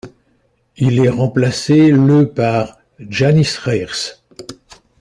Il est remplacé le par Jānis Reirs.